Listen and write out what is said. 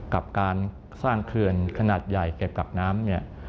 กับการสร้างเคลื่อนขนาดใหญ่เก็บกับน้ำ